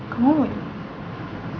kamu mau dulu